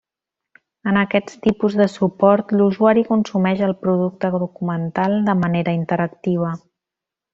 En aquest tipus de suport, l'usuari consumeix el producte documental de manera interactiva.